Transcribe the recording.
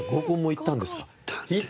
行ったんですか！